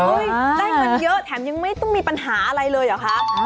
ได้เงินเยอะแถมยังไม่ต้องมีปัญหาอะไรเลยเหรอคะ